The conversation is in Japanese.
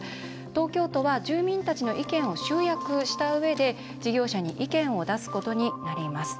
東京都は住民たちの意見を集約したうえで、事業者に意見を出すことになります。